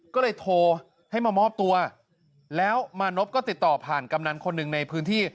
ก็เลยโทรให้มามอบตัวแล้วมานพก็ติดต่อผ่านกำนันคนหนึ่งในพื้นที่